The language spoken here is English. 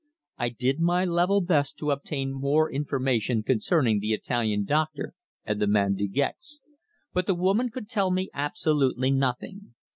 I did my level best to obtain more information concerning the Italian doctor and the man De Gex, but the woman could tell me absolutely nothing.